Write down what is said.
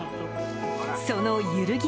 その揺るぎ